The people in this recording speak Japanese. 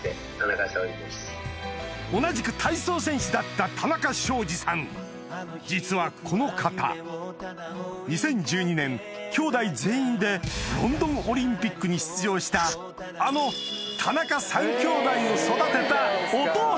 同じく体操選手だった実はこの方２０１２年きょうだい全員でロンドンオリンピックに出場したあの田中３きょうだいを育てたお父さん！